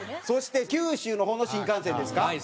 そして九州の方の新幹線ですか？